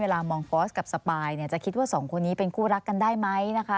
มองฟอสกับสปายจะคิดว่าสองคนนี้เป็นคู่รักกันได้ไหมนะคะ